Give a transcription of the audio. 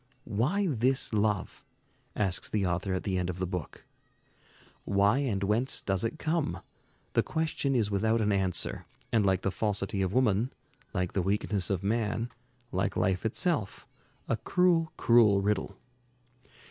"Why this love?" asks the author at the end of the book. "Why and whence does it come? The question is without an answer, and like the falsity of woman, like the weakness of man, like life itself, a cruel, cruel riddle."